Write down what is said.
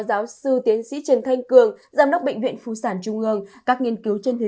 giáo sư tiến sĩ trần thanh cường giám đốc bệnh viện phụ sản trung ương các nghiên cứu trên thế